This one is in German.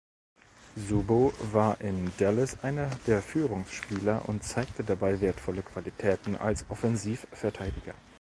Subow war in Dallas einer der Führungsspieler und zeigte dabei wertvolle Qualitäten als Offensivverteidiger.